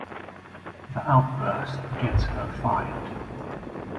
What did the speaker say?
The outburst gets her fired.